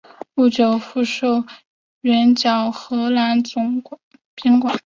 不久复授援剿河南总兵官。